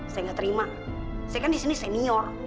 saya nggak terima saya kan di sini senior